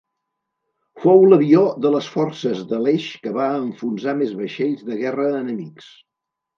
Fou l'avió de les Forces de l'Eix que va enfonsar més vaixells de guerra enemics.